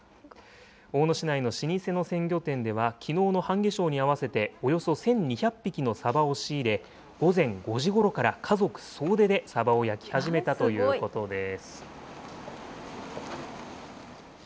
大野市内の老舗の鮮魚店では、きのうの半夏生に合わせて、およそ１２００匹のサバを仕入れ、午前５時ごろから家族総出でサバを焼き始めたということです。